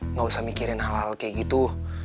nggak usah mikirin hal hal kayak gitu